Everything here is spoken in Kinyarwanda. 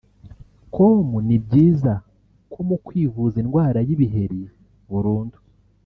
com ni byiza ko mu kwivuza indwara y’ibiheri burundu